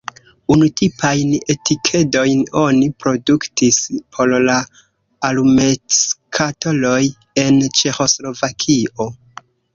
Unutipajn etikedojn oni produktis por la alumetskatoloj en Ĉeĥoslovakio.